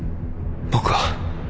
僕は